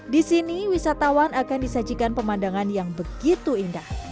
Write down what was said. di sini wisatawan akan disajikan pemandangan yang begitu indah